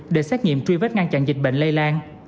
để xét nghiệm truy vết ngăn chặn dịch bệnh lây lan